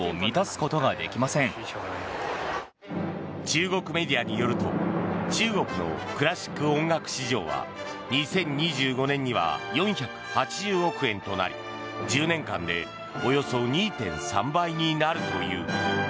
中国メディアによると中国のクラシック音楽市場は２０２５年には４８０億円となり１０年間でおよそ２．３倍になるという。